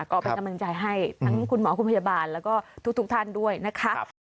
ก็เป็นกำลังใจให้ทั้งคุณหมอคุณพยาบาลแล้วก็ทุกท่านด้วยนะคะ